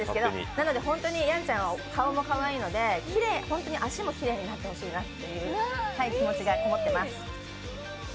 なので本当にやんちゃん、顔もかわいいので本当に足もきれいになってほしいなという気持ちを持ってます。